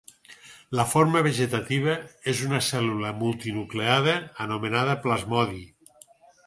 La forma vegetativa és una cèl·lula multinucleada anomenada plasmodi.